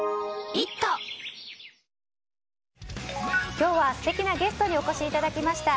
今日は素敵なゲストにお越しいただきました。